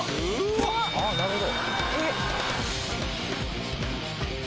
なるほど！